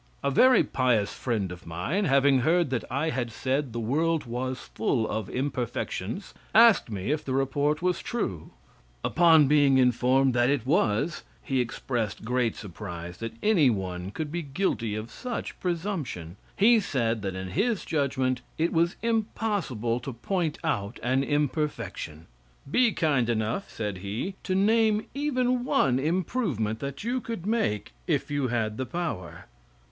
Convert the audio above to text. A very pious friend of mine, having heard that I had said the world was full of imperfections, asked me if the report was true. Upon being informed that it was, he expressed great surprise that any one could be guilty of such presumption. He said that, in his judgment, it was impossible to point out an imperfection. "Be kind enough," said he, "to name even one improvement that you could make, if you had the power."